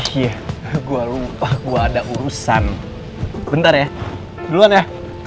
eh ya gua lupa gua ada urusan bentar ya duluan ya